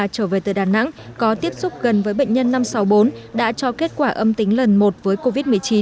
trở về từ đà nẵng có tiếp xúc gần với bệnh nhân năm trăm sáu mươi bốn đã cho kết quả âm tính lần một với covid một mươi chín